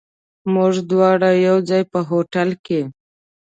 موږ دواړه یو ځای، په هوټل کې.